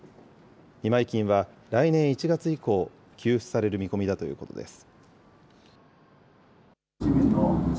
見舞い金は来年１月以降、給付される見込みだということです。